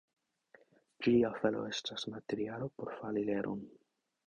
Ĝia felo estas materialo por fari ledon.